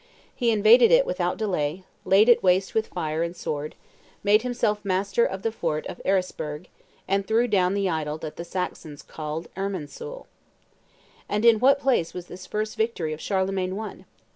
He invaded it without delay, laid it waste with fire and sword, made himself master of the fort of Ehresburg, and threw down the idol that the Saxons called Irminsul." And in what place was this first victory of Charlemagne won?